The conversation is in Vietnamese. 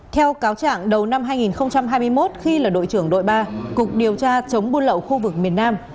theo cáo trạng đầu năm hai nghìn hai mươi một khi là đội trưởng đội ba cục điều tra chống buôn lậu khu vực miền nam